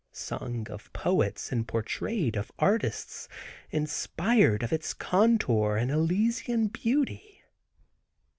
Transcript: Sung of poets and portrayed of artists inspired of its contour and elysian beauty.